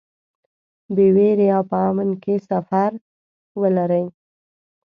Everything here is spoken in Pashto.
بې وېرې او په امن کې سفر ولرئ.